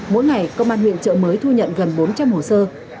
mỗi ngày công an huyện trợ mới thu nhận gần bốn trăm linh hồ sơ